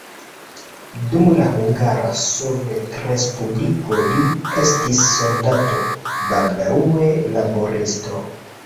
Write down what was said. Dum la Hungara Sovetrespubliko li estis soldato, baldaŭe laboristo.